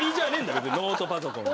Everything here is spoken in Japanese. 別にノートパソコンは。